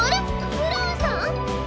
ブラウンさん？